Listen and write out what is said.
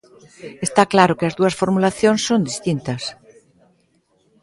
Está claro que as dúas formulacións son distintas.